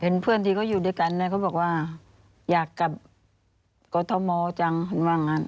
เห็นเพื่อนที่ก็อยู่ด้วยกันเนี่ยเขาบอกว่าอยากกลับก็เทาหมอจังคือนว่างนั้น